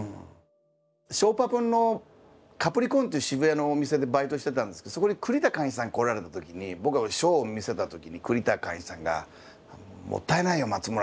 ショーパブのカプリコーンっていう渋谷のお店でバイトしてたんですがそこに栗田貫一さん来られた時に僕がショーを見せた時に栗田貫一さんがもったいないよ松村。